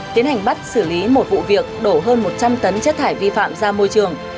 tiến hành bắt xử lý một vụ việc đổ hơn một trăm linh tấn chất thải vi phạm ra môi trường